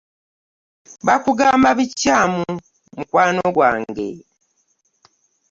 Bakugamba bikyamyu mukwano gwange .